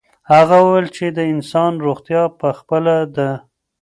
هغه وویل چې د انسان روغتیا په خپله ده.